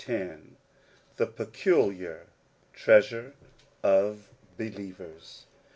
5 1 THE PECULIAR TREASURE OF BELIEVERS.